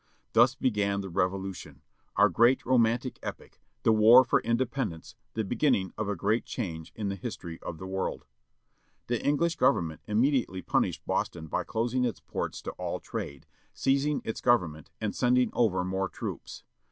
Thus began the Revolution, ovu" great romantic epic, the war for Independence, the beginning of a great change in the history of the world. The English government immediately punished Boston by closing its port to all trade, seizing its government and sending over more troops.